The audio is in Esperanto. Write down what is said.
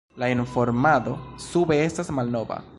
La informado sube estas malnova.